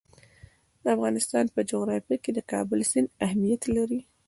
د افغانستان په جغرافیه کې د کابل سیند اهمیت لري.